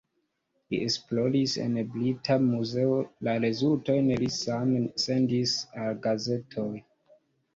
Li esploris en Brita Muzeo, la rezultojn li same sendis al gazetoj.